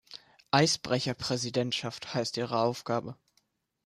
Eisbrecher-Präsidentschaft heißt Ihre Aufgabe!